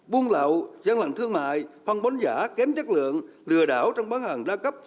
buôn lậu gian lận thương mại phân bón giả kém chất lượng lừa đảo trong bán hàng đa cấp